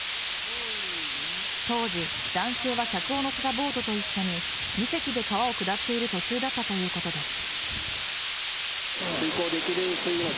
当時、男性は客を乗せたボートと一緒に２隻で川を下っている途中だったということです。